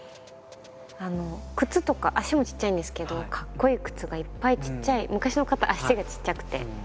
靴とか足もちっちゃいんですけどかっこいい靴がいっぱいちっちゃい昔の方足がちっちゃくて。